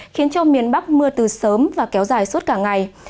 khiến cho miền bắc mưa từ sớm và kéo dài suốt cả ngày